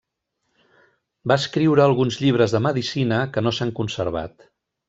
Va escriure alguns llibres de medicina que no s'han conservat.